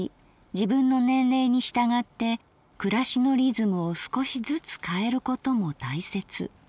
自分の年齢に従って暮しのリズムを少しずつ変えることも大切。